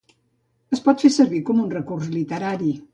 Es pot fer servir com a recurs literari.